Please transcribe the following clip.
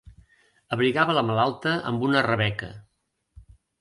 Abrigava la malalta amb una rebeca.